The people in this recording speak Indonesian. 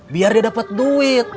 biar dia dapet duit